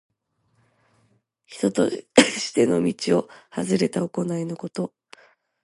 人としての道をはずれた行いのこと。